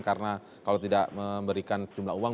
karena kalau tidak memberikan jumlah uang